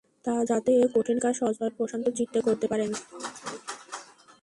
যাতে এ কঠিন কাজ সহজভাবে ও প্রশান্ত চিত্তে করতে পারেন।